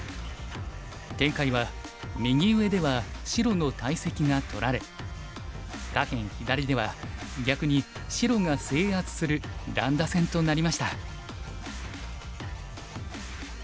展開は右上では白の大石が取られ下辺左では逆に白が制圧する乱打戦となりました。